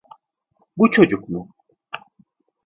Bu çocuk mu?